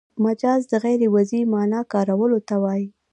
مجاز د غیر وضعي مانا کارولو ته وايي.